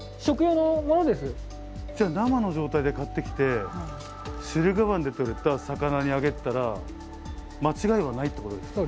じゃあ生の状態で買ってきて駿河湾で取れた魚にあげてたら間違いはないっていうことですか？